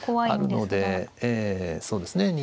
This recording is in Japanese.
あるのでそうですね